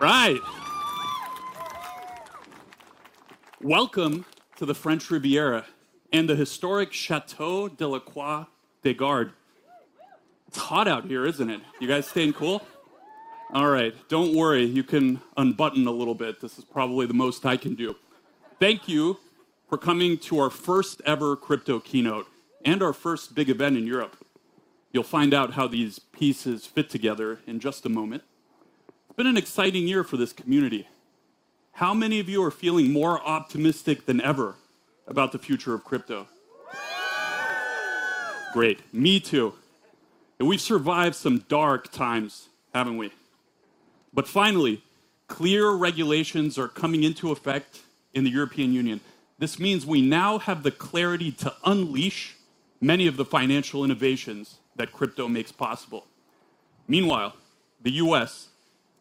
Right. Welcome to the French Riviera and the historic Château de la Croix des Gardes. It's hot out here, isn't it? You guys staying cool? All right, don't worry, you can unbutton a little bit. This is probably the most I can do. Thank you for coming to our first-ever crypto keynote and our first big event in Europe. You'll find out how these pieces fit together in just a moment. It's been an exciting year for this community. How many of you are feeling more optimistic than ever about the future of crypto? Yay! Great. Me too. We have survived some dark times, have we not? Finally, clear regulations are coming into effect in the European Union. This means we now have the clarity to unleash many of the financial innovations that crypto makes possible. Meanwhile, the U.S.,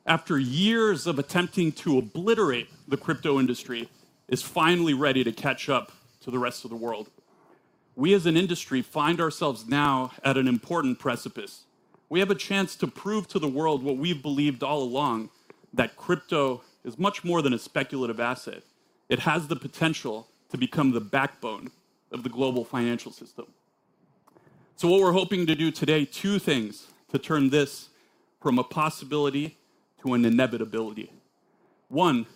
after years of attempting to obliterate the crypto industry, is finally ready to catch up to the rest of the world. We, as an industry, find ourselves now at an important precipice. We have a chance to prove to the world what we have believed all along: that crypto is much more than a speculative asset. It has the potential to become the backbone of the global financial system. What we are hoping to do today: two things to turn this from a possibility to an inevitability. One,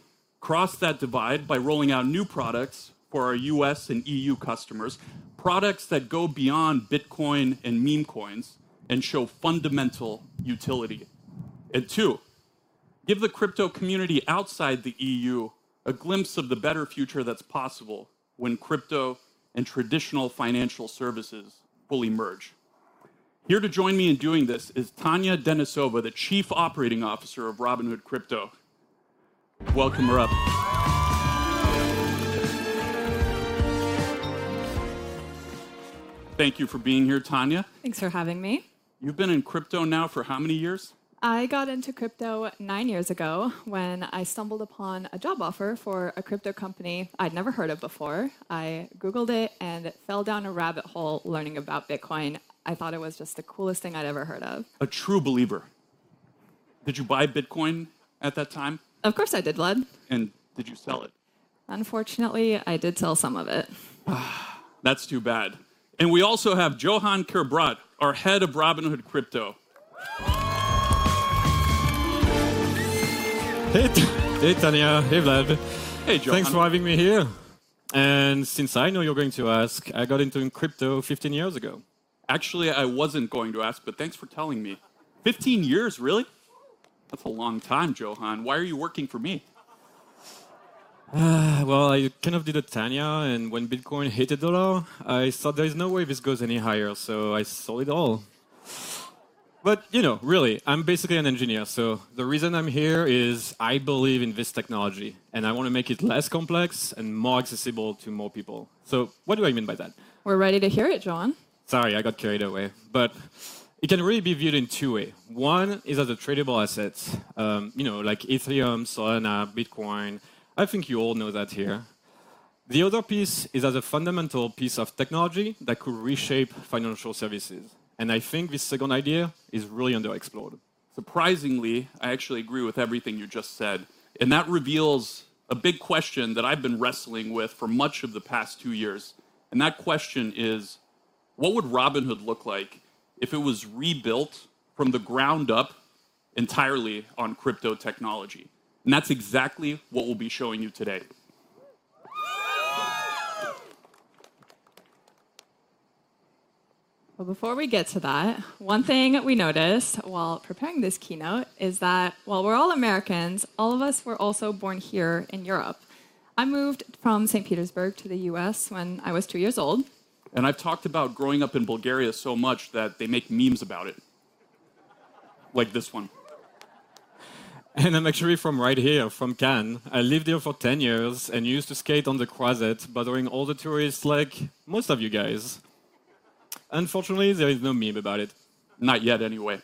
cross that divide by rolling out new products for our U.S. and E.U. products that go beyond Bitcoin and meme coins and show fundamental utility. Two, give the crypto community outside the E.U. a glimpse of the better future that's possible when crypto and traditional financial services fully merge. Here to join me in doing this is Tanya Denisova, the Chief Operating Officer of Robinhood Crypto. Welcome her up. Thank you for being here, Tanya. Thanks for having me. You've been in crypto now for how many years? I got into crypto nine years ago when I stumbled upon a job offer for a crypto company I'd never heard of before. I Googled it and fell down a rabbit hole learning about Bitcoin. I thought it was just the coolest thing I'd ever heard of. A true believer. Did you buy Bitcoin at that time? Of course I did, Vlad. Did you sell it? Unfortunately, I did sell some of it. That's too bad. We also have Johan Kerbrat, our Head of Robinhood Crypto. Hey, Tanya. Hey, Vlad. Hey, Johan. Thanks for having me here. Since I know you're going to ask, I got into crypto 15 years ago. Actually, I wasn't going to ask, but thanks for telling me. 15 years, really? That's a long time, Johan. Why are you working for me? I kind of did it, Tanya. When Bitcoin hit $1, I thought there is no way this goes any higher, so I sold it all. You know, really, I'm basically an engineer. The reason I'm here is I believe in this technology, and I want to make it less complex and more accessible to more people. What do I mean by that? We're ready to hear it, Johan. Sorry, I got carried away. It can really be viewed in two ways. One is as a tradable asset, you know, like Ethereum, Solana, Bitcoin. I think you all know that here. The other piece is as a fundamental piece of technology that could reshape financial services. I think this second idea is really under-explored. Surprisingly, I actually agree with everything you just said. That reveals a big question that I've been wrestling with for much of the past two years. That question is: what would Robinhood look like if it was rebuilt from the ground up entirely on crypto technology? That's exactly what we'll be showing you today. Before we get to that, one thing we noticed while preparing this keynote is that while we're all Americans, all of us were also born here in Europe. I moved from Saint Petersburg to the U.S. when I was two years old. I've talked about growing up in Bulgaria so much that they make memes about it. Like this one. I'm actually from right here, from Cannes. I lived there for 10 years and used to skate on the Croisette, bothering all the tourists like most of you guys. Unfortunately, there is no meme about it. Not yet, anyway.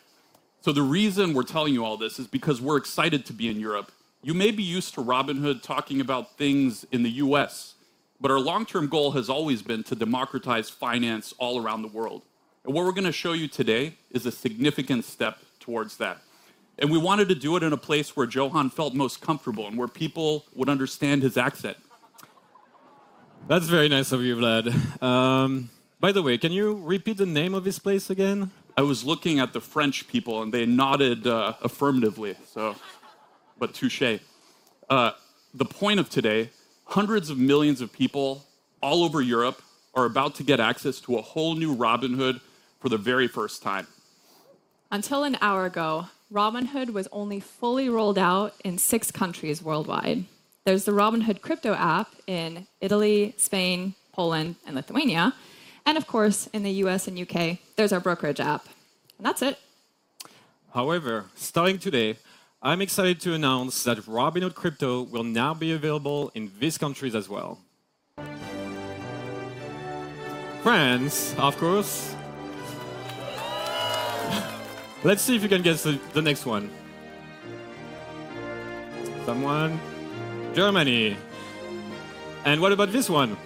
The reason we're telling you all this is because we're excited to be in Europe. You may be used to Robinhood talking about things in the U.S., but our long-term goal has always been to democratize finance all around the world. What we're going to show you today is a significant step towards that. We wanted to do it in a place where Johan felt most comfortable and where people would understand his accent. That's very nice of you, Vlad. By the way, can you repeat the name of this place again? I was looking at the French people, and they nodded affirmatively. Touché. The point of today: hundreds of millions of people all over Europe are about to get access to a whole new Robinhood for the very first time. Until an hour ago, Robinhood was only fully rolled out in six countries worldwide. There is the Robinhood Crypto app in Italy, Spain, Poland, and Lithuania. Of course, in the U.S. and U.K., there is our brokerage app. That is it. However, starting today, I'm excited to announce that Robinhood Crypto will now be available in these countries as well. France, of course. Let's see if you can guess the next one. Someone? Germany. And what about this one?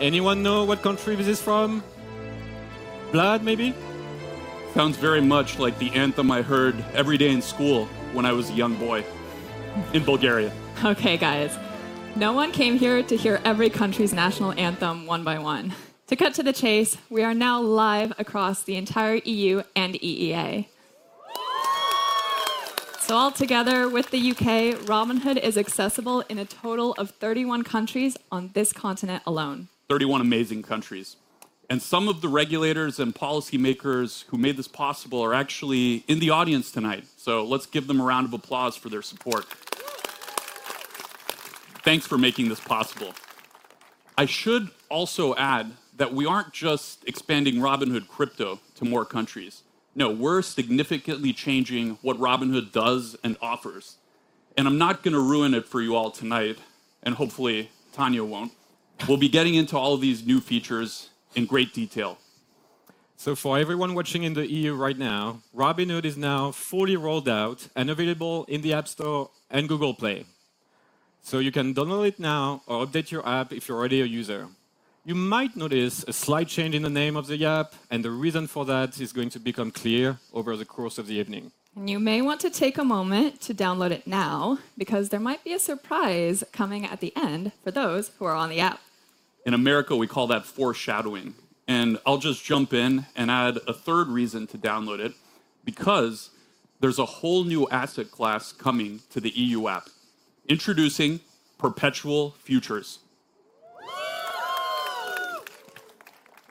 Anyone know what country this is from? Vlad, maybe? Sounds very much like the anthem I heard every day in school when I was a young boy in Bulgaria. Okay, guys. No one came here to hear every country's national anthem one by one. To cut to the chase, we are now live across the entire E.U. and EEA. Altogether, with the U.K., Robinhood is accessible in a total of 31 countries on this continent alone. Thirty-one amazing countries. And some of the regulators and policymakers who made this possible are actually in the audience tonight. So let's give them a round of applause for their support. Thanks for making this possible. I should also add that we aren't just expanding Robinhood Crypto to more countries. No, we're significantly changing what Robinhood does and offers. And I'm not going to ruin it for you all tonight, and hopefully Tanya won't. We'll be getting into all of these new features in great detail. For everyone watching in the E.U. right now, Robinhood is now fully rolled out and available in the App Store and Google Play. You can download it now or update your app if you're already a user. You might notice a slight change in the name of the app, and the reason for that is going to become clear over the course of the evening. You may want to take a moment to download it now because there might be a surprise coming at the end for those who are on the app. In America, we call that foreshadowing. I'll just jump in and add a third reason to download it: because there's a whole new asset class coming to the E.U. app, introducing perpetual futures.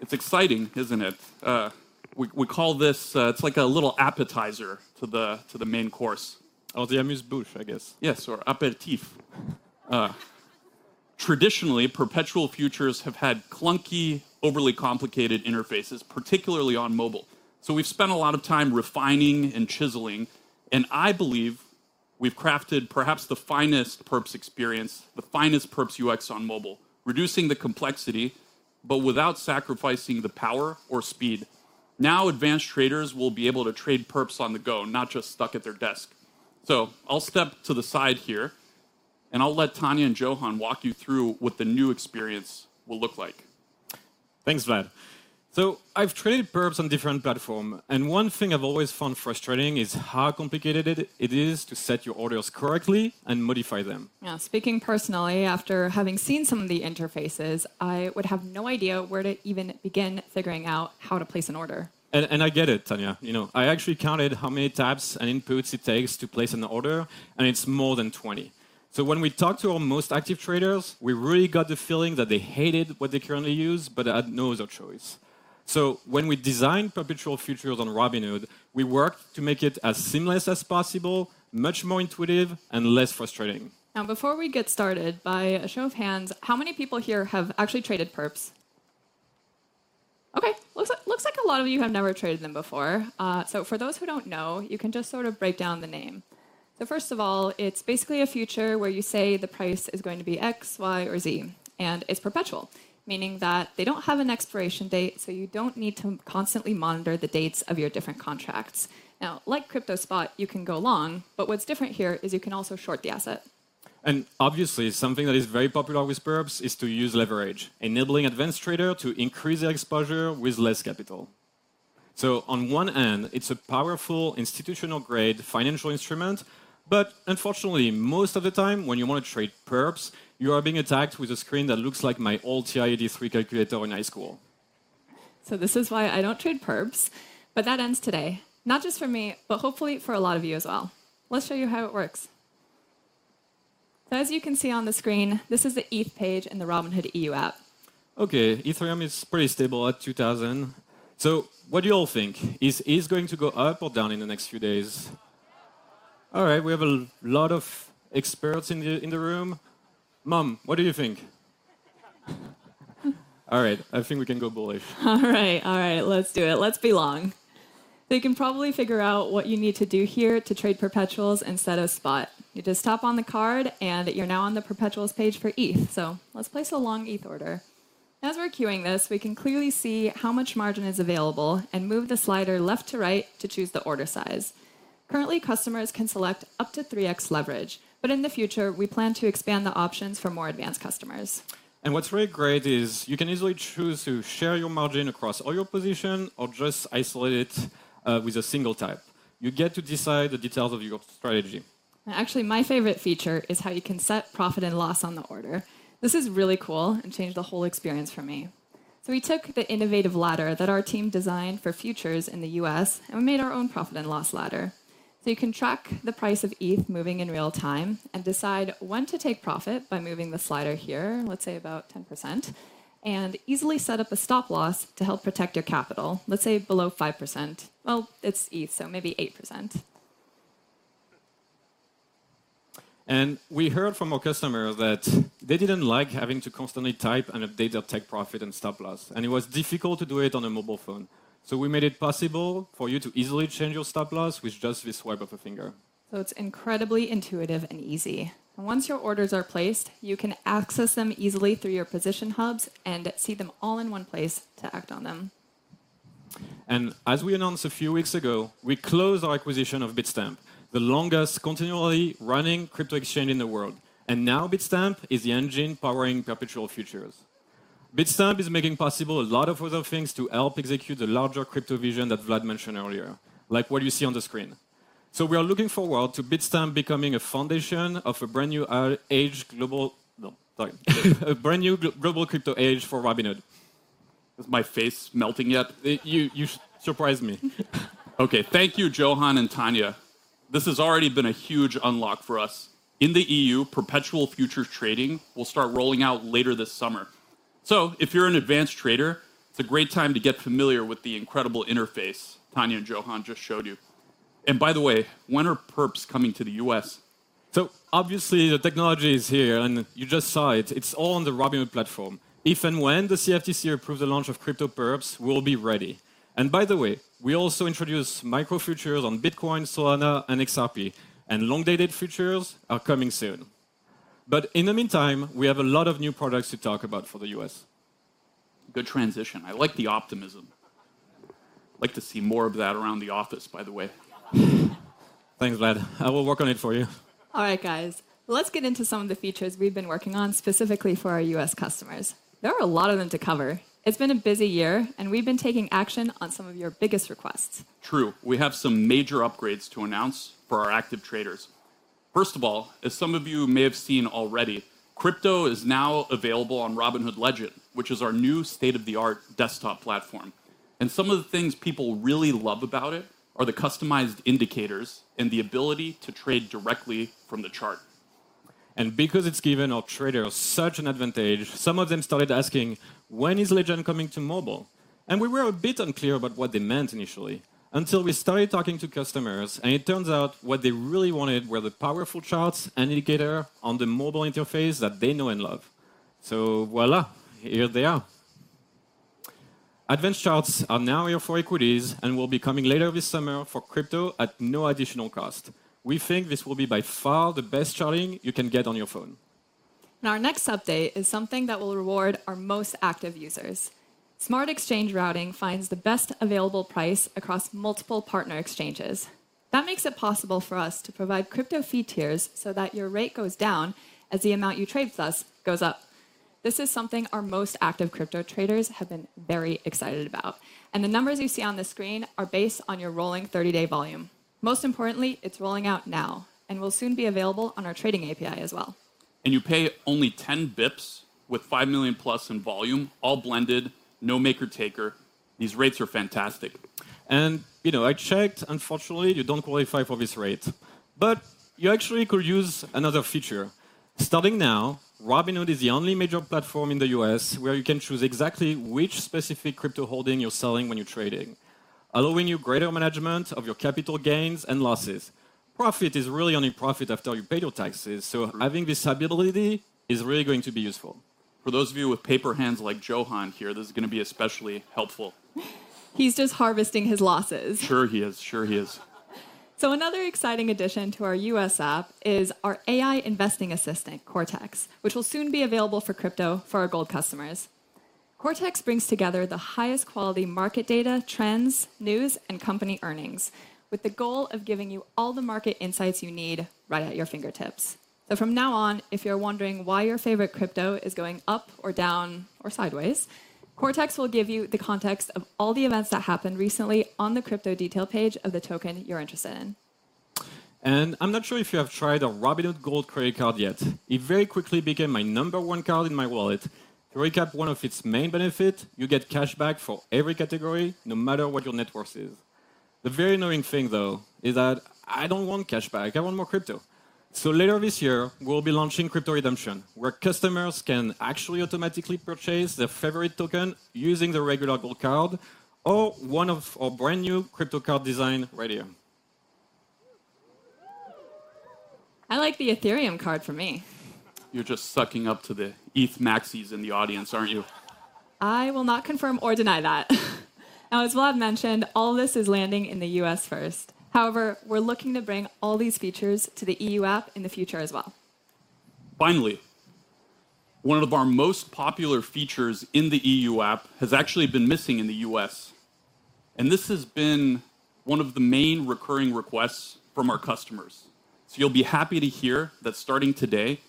It's exciting, isn't it? We call this, it's like a little appetizer to the main course. Orthe amuse-bouche, I guess. Yes, or apéritif. Traditionally, perpetual futures have had clunky, overly complicated interfaces, particularly on mobile. We have spent a lot of time refining and chiseling, and I believe we have crafted perhaps the finest perps experience, the finest perps UX on mobile, reducing the complexity but without sacrificing the power or speed. Now advanced traders will be able to trade perps on the go, not just stuck at their desk. I will step to the side here, and I will let Tanya and Johan walk you through what the new experience will look like. Thanks, Vlad. I've traded perps on different platforms, and one thing I've always found frustrating is how complicated it is to set your orders correctly and modify them. Yeah, speaking personally, after having seen some of the interfaces, I would have no idea where to even begin figuring out how to place an order. I get it, Tanya. You know, I actually counted how many tabs and inputs it takes to place an order, and it is more than 20. When we talked to our most active traders, we really got the feeling that they hated what they currently use, but had no other choice. When we designed perpetual futures on Robinhood, we worked to make it as seamless as possible, much more intuitive, and less frustrating. Now, before we get started, by a show of hands, how many people here have actually traded perps? Okay, looks like a lot of you have never traded them before. For those who do not know, you can just sort of break down the name. First of all, it is basically a future where you say the price is going to be X, Y, or Z, and it is perpetual, meaning that they do not have an expiration date, so you do not need to constantly monitor the dates of your different contracts. Now, like CryptoSpot, you can go long, but what is different here is you can also short the asset. Obviously, something that is very popular with perps is to use leverage, enabling advanced traders to increase their exposure with less capital. On one hand, it is a powerful institutional-grade financial instrument, but unfortunately, most of the time when you want to trade perps, you are being attacked with a screen that looks like my old TI-83 calculator in high school. This is why I don't trade perps. That ends today, not just for me, but hopefully for a lot of you as well. Let's show you how it works. As you can see on the screen, this is the ETH page in the Robinhood E.U. app. Okay, Ethereum is pretty stable at $2,000. So what do you all think? Is ETH going to go up or down in the next few days? All right, we have a lot of experts in the room. Mom, what do you think? All right, I think we can go bullish. All right, all right, let's do it. Let's be long. You can probably figure out what you need to do here to trade perpetuals instead of spot. You just tap on the card, and you're now on the perpetuals page for ETH. Let's place a long ETH order. As we're queuing this, we can clearly see how much margin is available and move the slider left to right to choose the order size. Currently, customers can select up to 3x leverage, but in the future, we plan to expand the options for more advanced customers. What's really great is you can easily choose to share your margin across all your positions or just isolate it with a single type. You get to decide the details of your strategy. Actually, my favorite feature is how you can set profit and loss on the order. This is really cool and changed the whole experience for me. So we took the innovative ladder that our team designed for futures in the U.S., and we made our own profit and loss ladder. You can track the price of ETH moving in real time and decide when to take profit by moving the slider here, let's say about 10%, and easily set up a stop loss to help protect your capital, let's say below 5%. It is ETH, so maybe 8%. We heard from a customer that they didn't like having to constantly type and update their take profit and stop loss, and it was difficult to do it on a mobile phone. We made it possible for you to easily change your stop loss with just the swipe of a finger. It's incredibly intuitive and easy. Once your orders are placed, you can access them easily through your position hubs and see them all in one place to act on them. As we announced a few weeks ago, we closed our acquisition of Bitstamp, the longest continually running crypto exchange in the world. Now Bitstamp is the engine powering perpetual futures. Bitstamp is making possible a lot of other things to help execute the larger crypto vision that Vlad mentioned earlier, like what you see on the screen. We are looking forward to Bitstamp becoming a foundation of a brand new global crypto age for Robinhood. Is my face melting yet? You surprised me. Okay, thank you, Johan and Tanya. This has already been a huge unlock for us. In the E.U., perpetual futures trading will start rolling out later this summer. If you're an advanced trader, it's a great time to get familiar with the incredible interface Tanya and Johan just showed you. By the way, when are perps coming to the U.S.? Obviously, the technology is here, and you just saw it. It's all on the Robinhood platform. If and when the CFTC approves the launch of crypto perps, we'll be ready. By the way, we also introduced micro futures on Bitcoin, Solana, and XRP, and long-dated futures are coming soon. In the meantime, we have a lot of new products to talk about for the U.S. Good transition. I like the optimism. I'd like to see more of that around the office, by the way. Thanks, Vlad. I will work on it for you. All right, guys. Let's get into some of the features we've been working on specifically for our U.S. customers. There are a lot of them to cover. It's been a busy year, and we've been taking action on some of your biggest requests. True. We have some major upgrades to announce for our active traders. First of all, as some of you may have seen already, crypto is now available on Robinhood Legend, which is our new state-of-the-art desktop platform. Some of the things people really love about it are the customized indicators and the ability to trade directly from the chart. Because it has given our traders such an advantage, some of them started asking, when is Legend coming to mobile? We were a bit unclear about what they meant initially until we started talking to customers, and it turns out what they really wanted were the powerful charts and indicators on the mobile interface that they know and love. Voilà, here they are. Advanced charts are now here for equities and will be coming later this summer for crypto at no additional cost. We think this will be by far the best charting you can get on your phone. Our next update is something that will reward our most active users. Smart exchange routing finds the best available price across multiple partner exchanges. That makes it possible for us to provide crypto fee tiers so that your rate goes down as the amount you trade with us goes up. This is something our most active crypto traders have been very excited about. The numbers you see on the screen are based on your rolling 30-day volume. Most importantly, it is rolling out now and will soon be available on our trading API as well. You pay only 10 basis points with $5 million+ in volume, all blended, no maker-taker. These rates are fantastic. You know, I checked. Unfortunately, you don't qualify for this rate. You actually could use another feature. Starting now, Robinhood is the only major platform in the U.S. where you can choose exactly which specific crypto holding you're selling when you're trading, allowing you greater management of your capital gains and losses. Profit is really only profit after you pay your taxes, so having this ability is really going to be useful. For those of you with paper hands like Johan here, this is going to be especially helpful. He's just harvesting his losses. Sure he is. Sure he is. Another exciting addition to our U.S. app is our AI investing assistant, Cortex, which will soon be available for crypto for our Gold customers. Cortex brings together the highest quality market data, trends, news, and company earnings with the goal of giving you all the market insights you need right at your fingertips. From now on, if you're wondering why your favorite crypto is going up or down or sideways, Cortex will give you the context of all the events that happened recently on the crypto detail page of the token you're interested in. I'm not sure if you have tried a Robinhood Gold Credit Card yet. It very quickly became my number one card in my wallet. To recap one of its main benefits, you get cashback for every category, no matter what your net worth is. The very annoying thing, though, is that I don't want cashback. I want more crypto. Later this year, we'll be launching Crypto Redemption, where customers can actually automatically purchase their favorite token using their regular Gold Card or one of our brand new crypto card designs right here. I like the Ethereum card for me. You're just sucking up to the ETH maxis in the audience, aren't you? I will not confirm or deny that. Now, as Vlad mentioned, all of this is landing in the U.S. first. However, we're looking to bring all these features to the E.U. app in the future as well. Finally, one of our most popular features in the E.U. app has actually been missing in the U.S., and this has been one of the main recurring requests from our customers. You'll be happy to hear that starting today,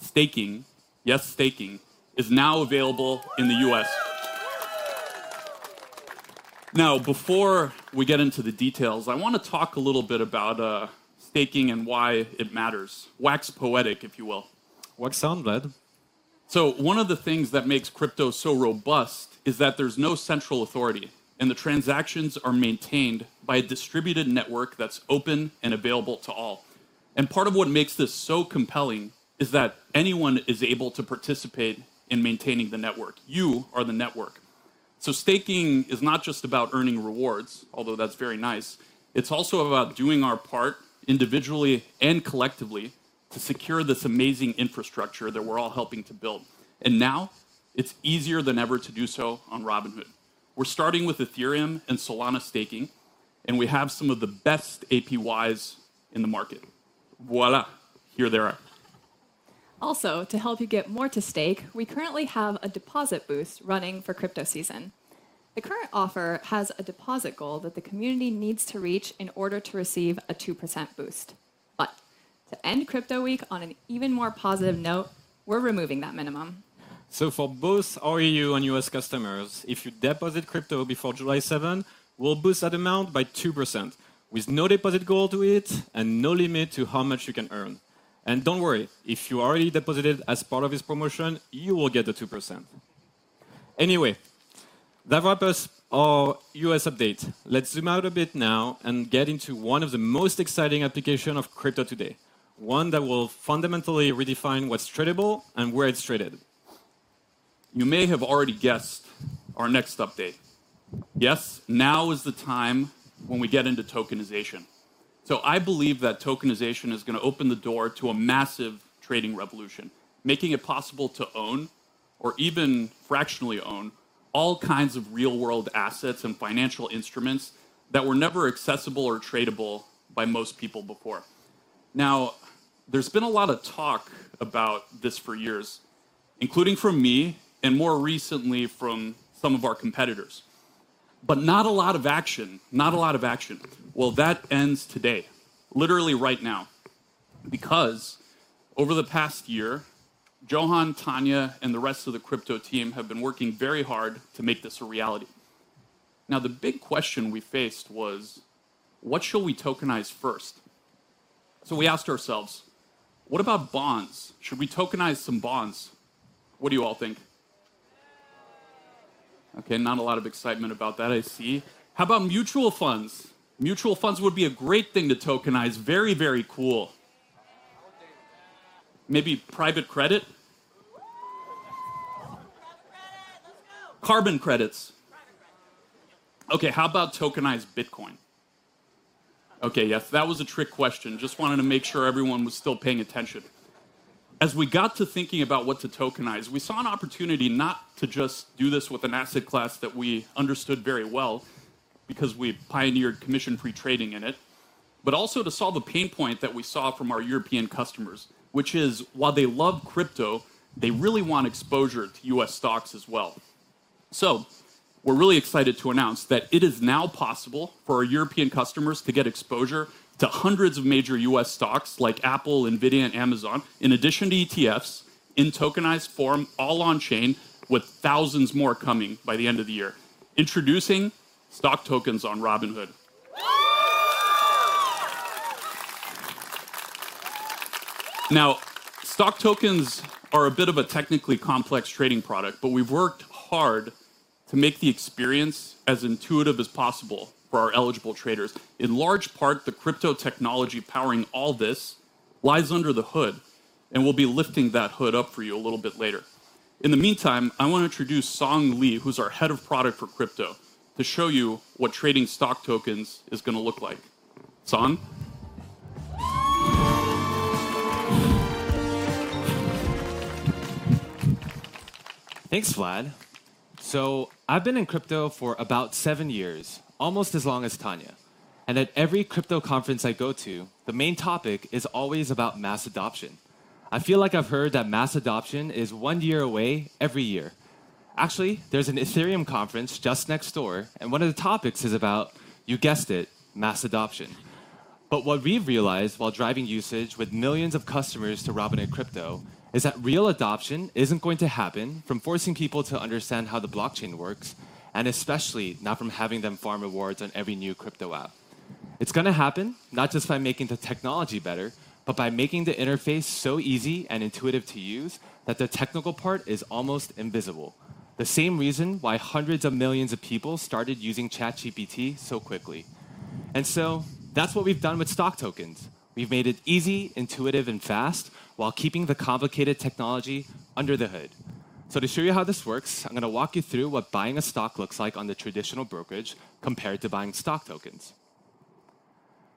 staking, yes, staking, is now available in the U.S. Now, before we get into the details, I want to talk a little bit about staking and why it matters. Wax poetic, if you will. Wax sound, Vlad? One of the things that makes crypto so robust is that there's no central authority, and the transactions are maintained by a distributed network that's open and available to all. Part of what makes this so compelling is that anyone is able to participate in maintaining the network. You are the network. Staking is not just about earning rewards, although that's very nice. It's also about doing our part individually and collectively to secure this amazing infrastructure that we're all helping to build. Now it's easier than ever to do so on Robinhood. We're starting with Ethereum and Solana staking, and we have some of the best APYs in the market. Voilà, here they are. Also, to help you get more to stake, we currently have a deposit boost running for crypto season. The current offer has a deposit goal that the community needs to reach in order to receive a 2% boost. To end crypto week on an even more positive note, we're removing that minimum. For both our E.U. and U.S. customers, if you deposit crypto before July 7, we'll boost that amount by 2% with no deposit goal to it and no limit to how much you can earn. Don't worry, if you already deposited as part of this promotion, you will get the 2%. Anyway, that wraps up our U.S. update. Let's zoom out a bit now and get into one of the most exciting applications of crypto today, one that will fundamentally redefine what's tradable and where it's traded. You may have already guessed our next update. Yes, now is the time when we get into tokenization. I believe that tokenization is going to open the door to a massive trading revolution, making it possible to own or even fractionally own all kinds of real-world assets and financial instruments that were never accessible or tradable by most people before. There has been a lot of talk about this for years, including from me and more recently from some of our competitors. Not a lot of action, not a lot of action. That ends today, literally right now, because over the past year, Johan, Tanya, and the rest of the crypto team have been working very hard to make this a reality. The big question we faced was, what should we tokenize first? We asked ourselves, what about bonds? Should we tokenize some bonds? What do you all think? Okay, not a lot of excitement about that, I see. How about mutual funds? Mutual funds would be a great thing to tokenize. Very, very cool. Maybe private credit? Private credit! Let's go! Carbon credits. Private credit. Okay, how about tokenize Bitcoin? Okay, yes, that was a trick question. Just wanted to make sure everyone was still paying attention. As we got to thinking about what to tokenize, we saw an opportunity not to just do this with an asset class that we understood very well because we pioneered commission-free trading in it, but also to solve a pain point that we saw from our European customers, which is while they love crypto, they really want exposure to U.S. stocks as well. We are really excited to announce that it is now possible for our European customers to get exposure to hundreds of major U.S. stocks like Apple, NVIDIA, and Amazon, in addition to ETFs in tokenized form, all on-chain, with thousands more coming by the end of the year. Introducing stock tokens on Robinhood. Now, stock tokens are a bit of a technically complex trading product, but we've worked hard to make the experience as intuitive as possible for our eligible traders. In large part, the crypto technology powering all this lies under the hood, and we'll be lifting that hood up for you a little bit later. In the meantime, I want to introduce Song Li, who's our Head of Product for crypto, to show you what trading stock tokens is going to look like. Song? Thanks, Vlad. I've been in crypto for about seven years, almost as long as Tanya. At every crypto conference I go to, the main topic is always about mass adoption. I feel like I've heard that mass adoption is one year away every year. Actually, there's an Ethereum conference just next door, and one of the topics is about, you guessed it, mass adoption. What we've realized while driving usage with millions of customers to Robinhood Crypto is that real adoption isn't going to happen from forcing people to understand how the blockchain works, and especially not from having them farm rewards on every new crypto app. It's going to happen not just by making the technology better, but by making the interface so easy and intuitive to use that the technical part is almost invisible. The same reason why hundreds of millions of people started using ChatGPT so quickly. That is what we have done with stock tokens. We have made it easy, intuitive, and fast while keeping the complicated technology under the hood. To show you how this works, I am going to walk you through what buying a stock looks like on the traditional brokerage compared to buying stock tokens.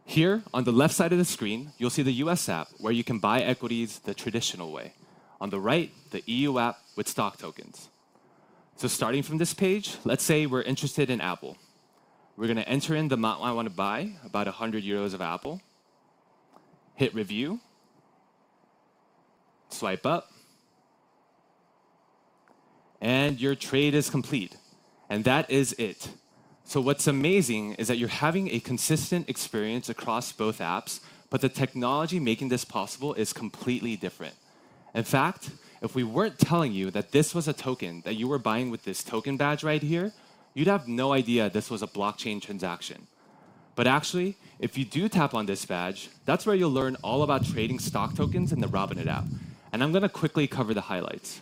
Here, on the left side of the screen, you will see the U.S. app, where you can buy equities the traditional way. On the right, the E.U. app with stock tokens. Starting from this page, let us say we are interested in Apple. We are going to enter in the amount I want to buy, about 100 euros of Apple. Hit Review. Swipe up. Your trade is complete. That is it. What's amazing is that you're having a consistent experience across both apps, but the technology making this possible is completely different. In fact, if we weren't telling you that this was a token that you were buying with this token badge right here, you'd have no idea this was a blockchain transaction. Actually, if you do tap on this badge, that's where you'll learn all about trading stock tokens in the Robinhood app. I'm going to quickly cover the highlights.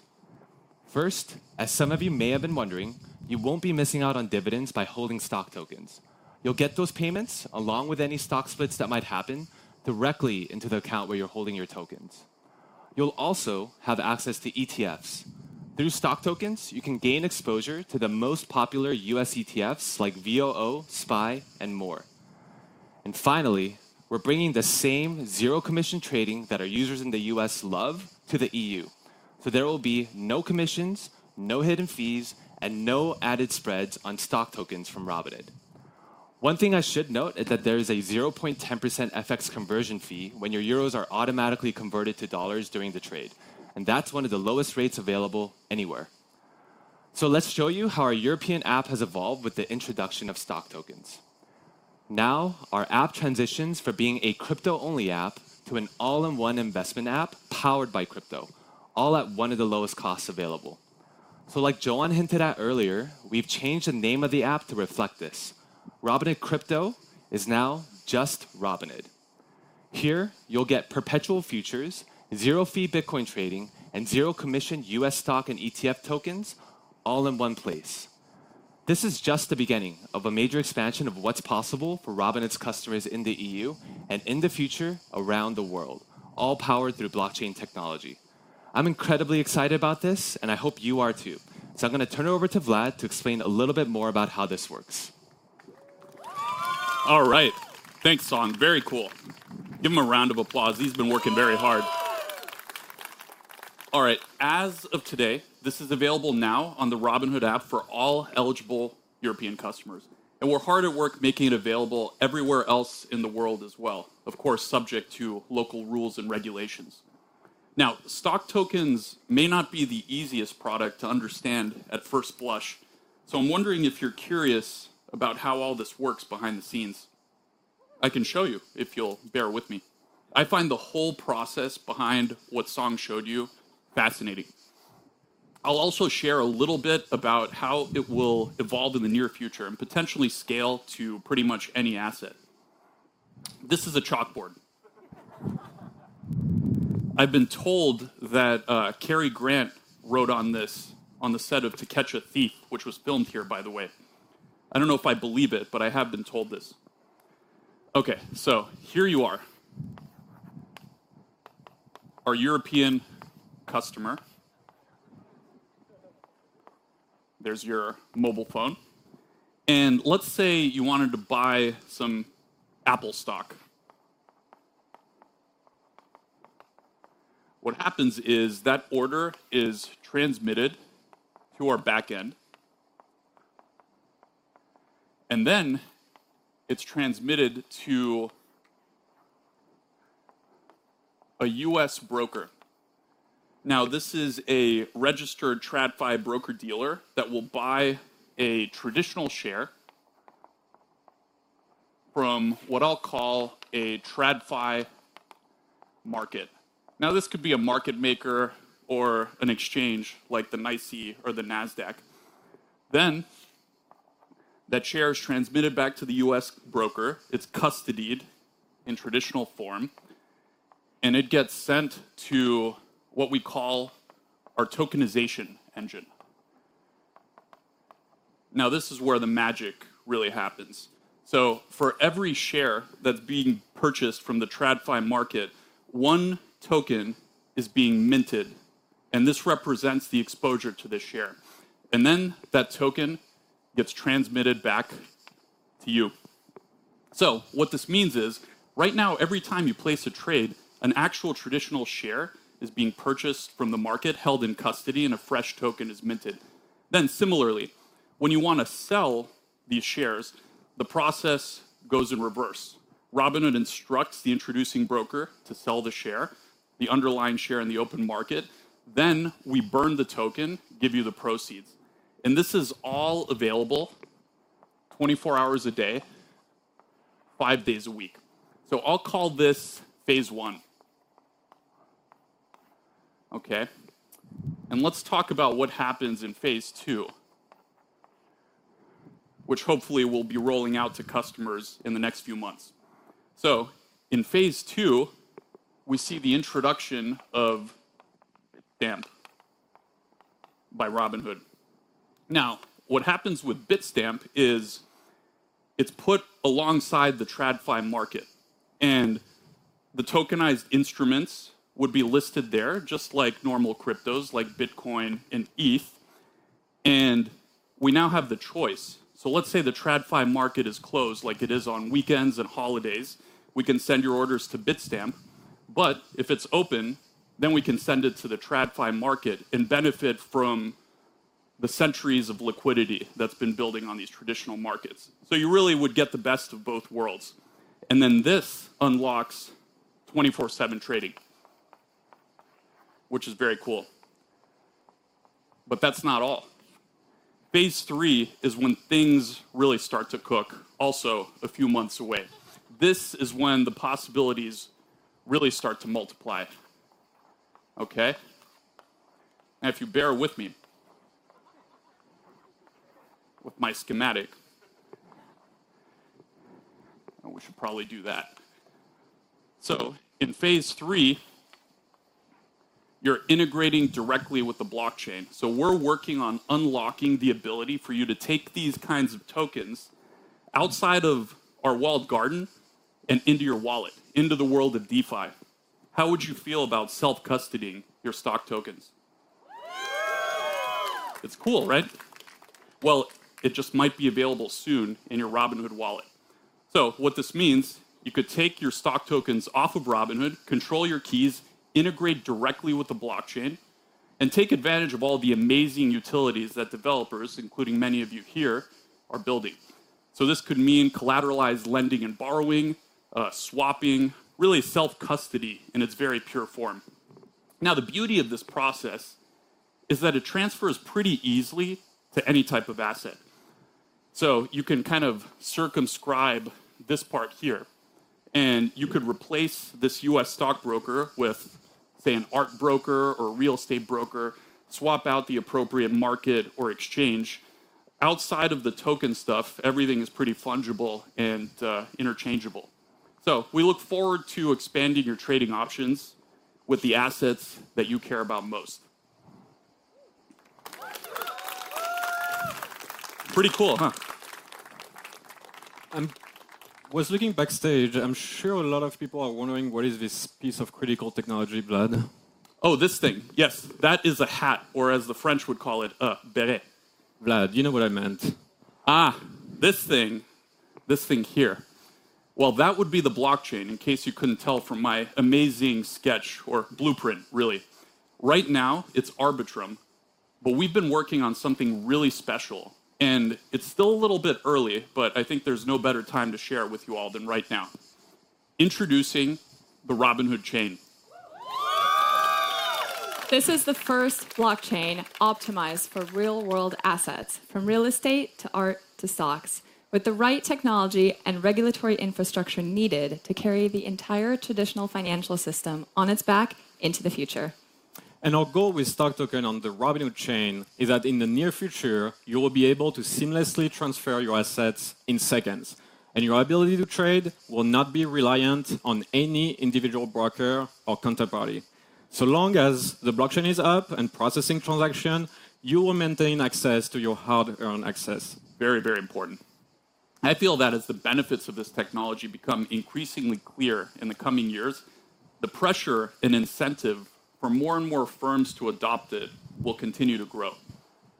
First, as some of you may have been wondering, you won't be missing out on dividends by holding stock tokens. You'll get those payments, along with any stock splits that might happen, directly into the account where you're holding your tokens. You'll also have access to ETFs. Through stock tokens, you can gain exposure to the most popular U.S. ETFs like VOO, SPY, and more. Finally, we're bringing the same zero-commission trading that our users in the U.S. love to the E.U. There will be no commissions, no hidden fees, and no added spreads on stock tokens from Robinhood. One thing I should note is that there is a 0.10% FX conversion fee when your EUR are automatically converted to dollars during the trade. That's one of the lowest rates available anywhere. Let's show you how our European app has evolved with the introduction of stock tokens. Now our app transitions from being a crypto-only app to an all-in-one investment app powered by crypto, all at one of the lowest costs available. Like Johan hinted at earlier, we've changed the name of the app to reflect this. Robinhood Crypto is now just Robinhood. Here, you'll get perpetual futures, zero-fee Bitcoin trading, and zero-commission U.S. stock and ETF tokens, all in one place. This is just the beginning of a major expansion of what's possible for Robinhood's customers in the E.U. and in the future around the world, all powered through blockchain technology. I'm incredibly excited about this, and I hope you are too. I'm going to turn it over to Vlad to explain a little bit more about how this works. All right. Thanks, Song. Very cool. Give him a round of applause. He's been working very hard. All right. As of today, this is available now on the Robinhood app for all eligible European customers. We are hard at work making it available everywhere else in the world as well, of course, subject to local rules and regulations. Now, stock tokens may not be the easiest product to understand at first blush. I am wondering if you're curious about how all this works behind the scenes. I can show you if you'll bear with me. I find the whole process behind what Song showed you fascinating. I'll also share a little bit about how it will evolve in the near future and potentially scale to pretty much any asset. This is a chalkboard. I've been told that Cary Grant wrote on this on the set of To Catch a Thief, which was filmed here, by the way. I don't know if I believe it, but I have been told this. Okay, here you are, our European customer. There's your mobile phone. Let's say you wanted to buy some Apple stock. What happens is that order is transmitted to our backend, and then it's transmitted to a U.S. broker. This is a registered TradFi broker-dealer that will buy a traditional share from what I'll call a TradFi market. This could be a market maker or an exchange like the NYSE or the NASDAQ. That share is transmitted back to the U.S. broker. It's custodied in traditional form, and it gets sent to what we call our tokenization engine. This is where the magic really happens. For every share that's being purchased from the TradFi market, one token is being minted, and this represents the exposure to the share. That token gets transmitted back to you. What this means is right now, every time you place a trade, an actual traditional share is being purchased from the market, held in custody, and a fresh token is minted. Similarly, when you want to sell these shares, the process goes in reverse. Robinhood instructs the introducing broker to sell the share, the underlying share in the open market. We burn the token, give you the proceeds. This is all available 24 hours a day, five days a week. I'll call this phase I. Okay. Let's talk about what happens in phase III, which hopefully we'll be rolling out to customers in the next few months. In phase II, we see the introduction of Bitstamp by Robinhood. Now, what happens with Bitstamp is it's put alongside the TradFi market, and the tokenized instruments would be listed there, just like normal cryptos like Bitcoin and ETH. We now have the choice. Let's say the TradFi market is closed, like it is on weekends and holidays. We can send your orders to Bitstamp. If it's open, then we can send it to the TradFi market and benefit from the centuries of liquidity that's been building on these traditional markets. You really would get the best of both worlds. This unlocks 24/7 trading, which is very cool. That's not all. Phase III is when things really start to cook, also a few months away. This is when the possibilities really start to multiply. Okay. Now, if you bear with me with my schematic, we should probably do that. In phase III, you're integrating directly with the blockchain. We're working on unlocking the ability for you to take these kinds of tokens outside of our walled garden and into your wallet, into the world of DeFi. How would you feel about self-custodying your stock tokens? It's cool, right? It just might be available soon in your Robinhood wallet. What this means is you could take your stock tokens off of Robinhood, control your keys, integrate directly with the blockchain, and take advantage of all the amazing utilities that developers, including many of you here, are building. This could mean collateralized lending and borrowing, swapping, really self-custody in its very pure form. The beauty of this process is that it transfers pretty easily to any type of asset. You can kind of circumscribe this part here. You could replace this U.S. stock broker with, say, an art broker or a real estate broker, swap out the appropriate market or exchange. Outside of the token stuff, everything is pretty fungible and interchangeable. We look forward to expanding your trading options with the assets that you care about most. Pretty cool, huh? I was looking backstage. I'm sure a lot of people are wondering what is this piece of critical technology, Vlad? Oh, this thing. Yes, that is a hat, or as the French would call it, a béret. Vlad, you know what I meant. This thing. This thing here. That would be the blockchain in case you could not tell from my amazing sketch or blueprint, really. Right now, it is Arbitrum, but we have been working on something really special. It is still a little bit early, but I think there is no better time to share it with you all than right now. Introducing the Robinhood Chain. This is the first blockchain optimized for real-world assets, from real estate to art to stocks, with the right technology and regulatory infrastructure needed to carry the entire traditional financial system on its back into the future. Our goal with stock token on the Robinhood Chain is that in the near future, you will be able to seamlessly transfer your assets in seconds. Your ability to trade will not be reliant on any individual broker or counterparty. So long as the blockchain is up and processing transactions, you will maintain access to your hard-earned assets. Very, very important. I feel that as the benefits of this technology become increasingly clear in the coming years, the pressure and incentive for more and more firms to adopt it will continue to grow.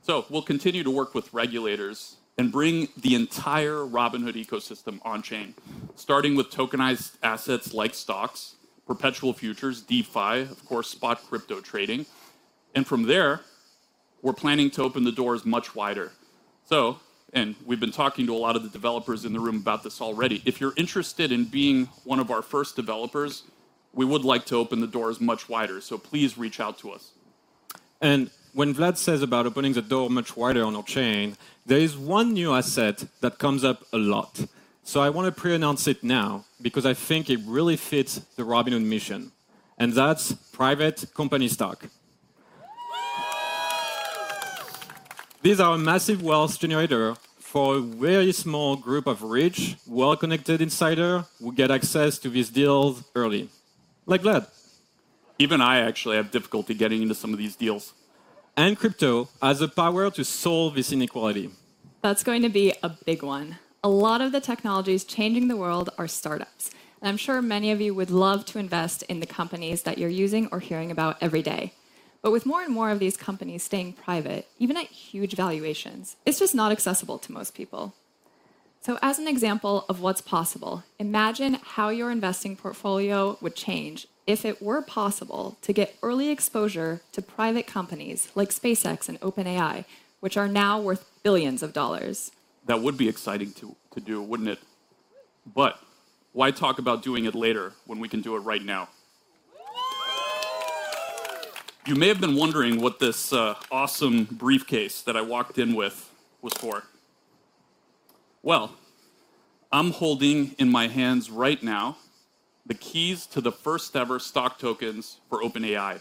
We will continue to work with regulators and bring the entire Robinhood ecosystem on-chain, starting with tokenized assets like stocks, perpetual futures, DeFi, of course, spot crypto trading. From there, we are planning to open the doors much wider. We've been talking to a lot of the developers in the room about this already. If you're interested in being one of our first developers, we would like to open the doors much wider. So please reach out to us. When Vlad says about opening the door much wider on our chain, there is one new asset that comes up a lot. I want to pre-announce it now because I think it really fits the Robinhood mission. That is private company stock. These are a massive wealth generator for a very small group of rich, well-connected insiders who get access to these deals early. Like Vlad. Even I actually have difficulty getting into some of these deals. Crypto has the power to solve this inequality. That's going to be a big one. A lot of the technologies changing the world are startups. And I'm sure many of you would love to invest in the companies that you're using or hearing about every day. But with more and more of these companies staying private, even at huge valuations, it's just not accessible to most people. As an example of what's possible, imagine how your investing portfolio would change if it were possible to get early exposure to private companies like SpaceX and OpenAI, which are now worth billions of dollars. That would be exciting to do, wouldn't it? Why talk about doing it later when we can do it right now? You may have been wondering what this awesome briefcase that I walked in with was for. I'm holding in my hands right now the keys to the first-ever stock tokens for OpenAI.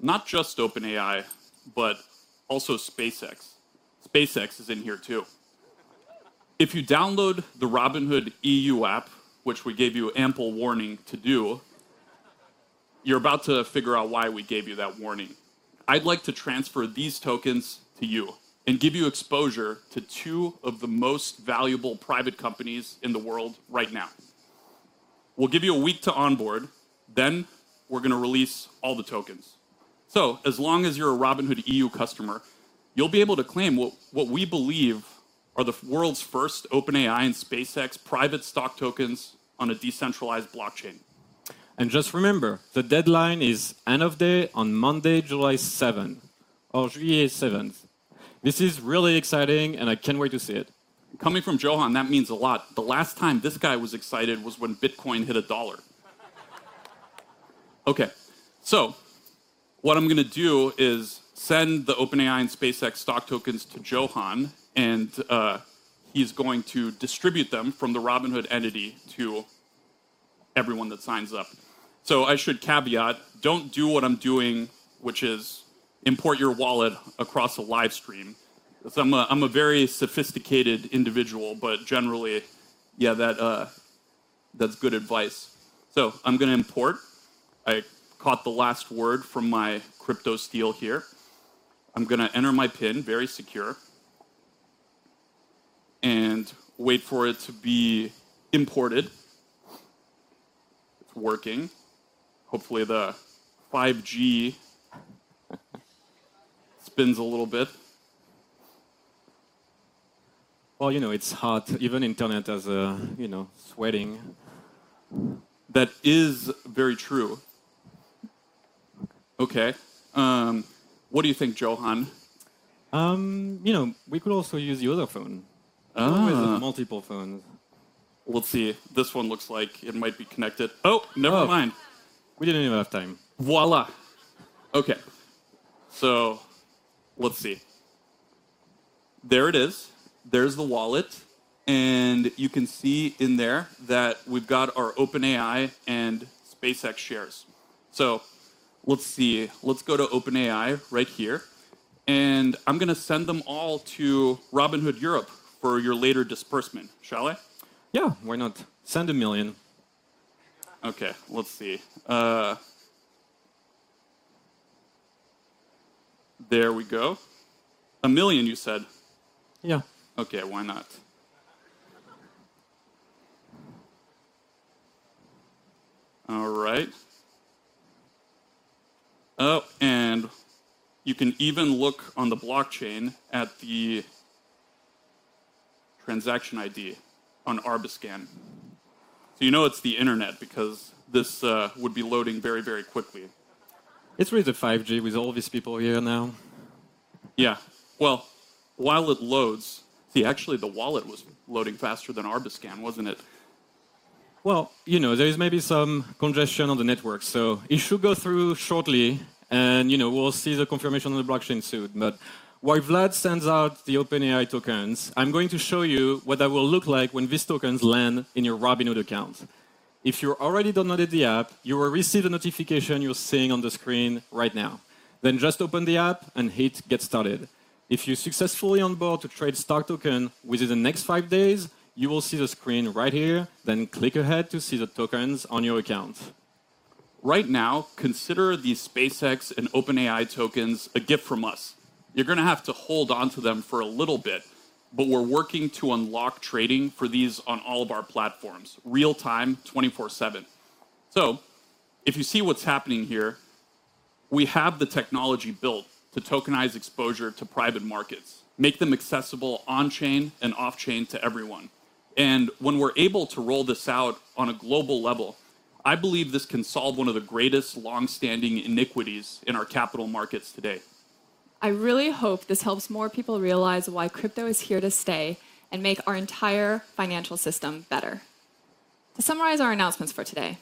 Not just OpenAI, but also SpaceX. SpaceX is in here too. If you download the Robinhood E.U. app, which we gave you ample warning to do, you're about to figure out why we gave you that warning. I'd like to transfer these tokens to you and give you exposure to two of the most valuable private companies in the world right now. We'll give you a week to onboard. Then we're going to release all the tokens. As long as you're a Robinhood E.U. customer, you'll be able to claim what we believe are the world's first OpenAI and SpaceX private stock tokens on a decentralized blockchain. Just remember, the deadline is end of day on Monday, July 7, or July 7th. This is really exciting, and I can't wait to see it. Coming from Johan, that means a lot. The last time this guy was excited was when Bitcoin hit a dollar. Okay. What I'm going to do is send the OpenAI and SpaceX stock tokens to Johan, and he's going to distribute them from the Robinhood entity to everyone that signs up. I should caveat, do not do what I'm doing, which is import your wallet across a live stream. I'm a very sophisticated individual, but generally, yeah, that's good advice. I'm going to import. I caught the last word from my crypto steal here. I'm going to enter my PIN, very secure, and wait for it to be imported. It's working. Hopefully, the 5G spins a little bit. You know, it's hot. Even the internet is sweating. That is very true. Okay. What do you think, Johan? You know, we could also use the other phone. We could use multiple phones. Let's see. This one looks like it might be connected. Oh, never mind. We didn't even have time. Voilà. Okay. So let's see. There it is. There's the wallet. And you can see in there that we've got our OpenAI and SpaceX shares. Let's see. Let's go to OpenAI right here. I'm going to send them all to Robinhood Europe for your later disbursement, shall I? Yeah, why not? Send a million. Okay. Let's see. There we go. A million, you said. Yeah. Okay. Why not? All right. Oh, and you can even look on the blockchain at the transaction ID on Arbitrum. So you know it's the internet because this would be loading very, very quickly. It's really the 5G with all these people here now. Yeah. While it loads, see, actually, the wallet was loading faster than Arbiscan, wasn't it? You know, there is maybe some congestion on the network. It should go through shortly, and we'll see the confirmation on the blockchain soon. While Vlad sends out the OpenAI tokens, I'm going to show you what that will look like when these tokens land in your Robinhood account. If you've already downloaded the app, you will receive the notification you're seeing on the screen right now. Just open the app and hit Get Started. If you successfully onboard to trade stock token within the next five days, you will see the screen right here. Click ahead to see the tokens on your account. Right now, consider the SpaceX and OpenAI tokens a gift from us. You're going to have to hold onto them for a little bit. We are working to unlock trading for these on all of our platforms, real-time, 24/7. If you see what's happening here, we have the technology built to tokenize exposure to private markets, make them accessible on-chain and off-chain to everyone. When we are able to roll this out on a global level, I believe this can solve one of the greatest long-standing iniquities in our capital markets today. I really hope this helps more people realize why crypto is here to stay and make our entire financial system better. To summarize our announcements for today,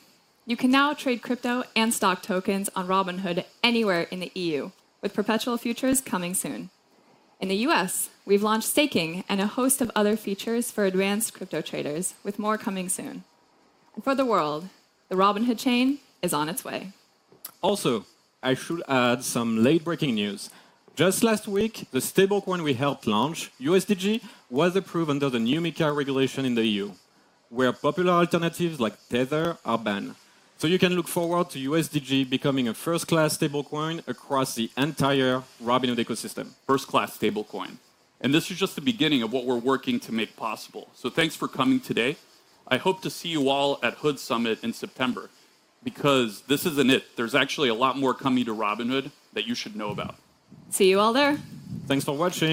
you can now trade crypto and stock tokens on Robinhood anywhere in the E.U., with perpetual futures coming soon. In the U.S., we've launched Staking and a host of other features for advanced crypto traders, with more coming soon. For the world, the Robinhood Chain is on its way. Also, I should add some late-breaking news. Just last week, the stablecoin we helped launch, USDG, was approved under the new MiCA regulation in the E.U., where popular alternatives like Tether are banned. You can look forward to USDG becoming a first-class stablecoin across the entire Robinhood ecosystem. First-class stablecoin. This is just the beginning of what we're working to make possible. Thanks for coming today. I hope to see you all at HUD Summit in September because this isn't it. There's actually a lot more coming to Robinhood that you should know about. See you all there. Thanks for watching.